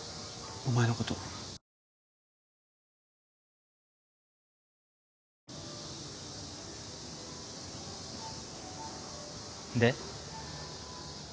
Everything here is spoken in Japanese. お前のことで？